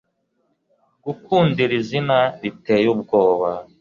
Gukunda iri zina riteye ubwoba